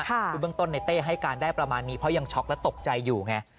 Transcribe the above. คือเบื้องต้นในเต้ให้การได้ประมาณนี้เพราะยังช็อกและตกใจอยู่ไง